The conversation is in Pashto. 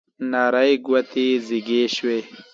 نرۍ ګوتې زیږې شوې